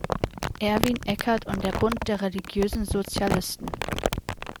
Erwin Eckert und der Bund der religiösen Sozialisten“.